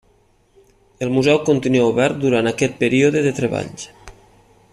El museu continua obert durant aquest període de treballs.